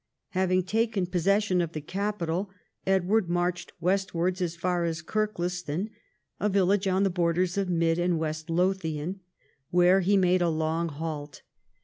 Having taken possession of the capital, Edward marched westwards as far as Kirkliston, a village on the borders of Mid and West Lothian, where he made a long halt.